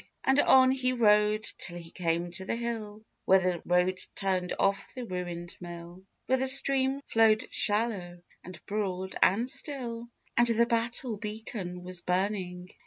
And on he rode till he came to the hill, Where the road turned off by the ruined mill, Where the stream flowed shallow and broad and still, And the battle beacon was burning.